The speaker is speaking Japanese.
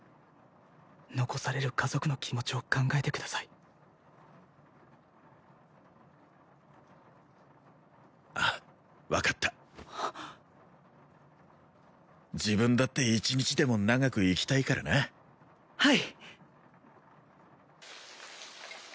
残される家族の気持ちを考えてくださいああ分かった自分だって１日でも長く生きたいからなはい！